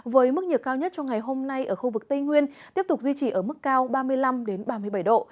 với mức nhiệt cao nhất trong ngày hôm nay ở khu vực tây nguyên tiếp tục duy trì ở mức cao ba mươi năm ba mươi bảy độ